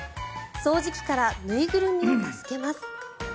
掃除機から縫いぐるみを助けます。